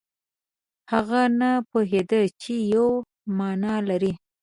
هغه نه پوهېده چې یوه معنا لري.